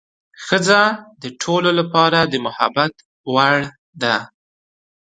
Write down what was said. ښځه د ټولو لپاره د محبت وړ ده.